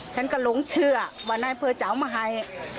ฉันก็หลงเชื่อว่านายอำเภอจะเอามาให้